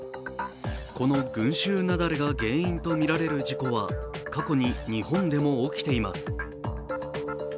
この群衆雪崩が原因とみられる事故は過去に日本でも起きています。